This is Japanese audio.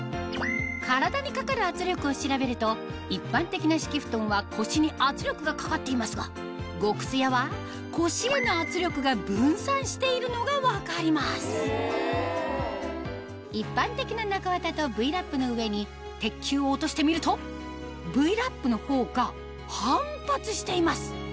体にかかる圧力を調べると一般的な敷布団は腰に圧力がかかっていますが極すやは腰への圧力が分散しているのが分かります一般的な中わたとＶーＬａｐの上に鉄球を落としてみるとＶーＬａｐのほうが反発しています